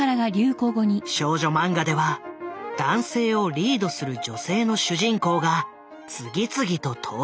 少女マンガでは男性をリードする女性の主人公が次々と登場。